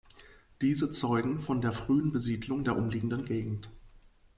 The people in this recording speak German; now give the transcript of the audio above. Diese zeugen von der frühen Besiedlung der umliegenden Gegend.